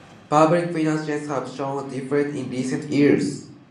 Public finances have shown a deficit in recent years.